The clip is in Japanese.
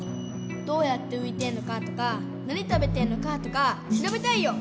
どうやってういてんのかとか何食べてんのかとかしらべたいよ！